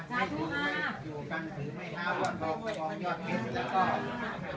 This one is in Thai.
สวัสดีครับ